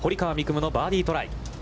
夢のバーディートライ。